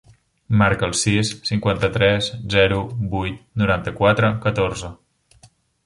Marca el sis, cinquanta-tres, zero, vuit, noranta-quatre, catorze.